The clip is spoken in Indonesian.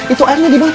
itu airnya dibatikan